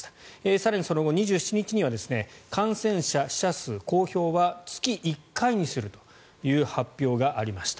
更にその後２７日には感染者、死者数公表は月１回にするという発表がありました。